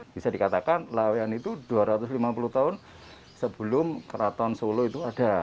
bisa dikatakan lawean itu dua ratus lima puluh tahun sebelum keraton solo itu ada